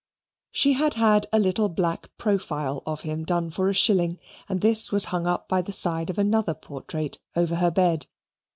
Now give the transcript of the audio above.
She had had a little black profile of him done for a shilling, and this was hung up by the side of another portrait over her bed.